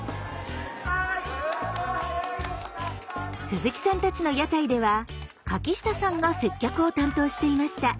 鈴木さんたちの屋台では柿下さんが接客を担当していました。